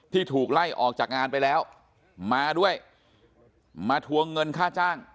ถูกไล่ออกจากงานไปแล้วมาด้วยมาทวงเงินค่าจ้าง